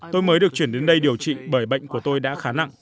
tôi mới được chuyển đến đây điều trị bởi bệnh của tôi đã khá nặng